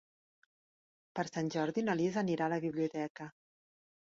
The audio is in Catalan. Per Sant Jordi na Lis anirà a la biblioteca.